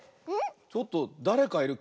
ちょっとだれかいる。